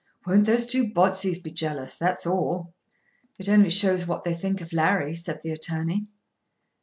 Won't those two Botseys be jealous; that's all?" "It only shows what they think of Larry," said the attorney.